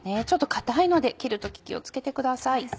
ちょっと硬いので切る時気を付けてください。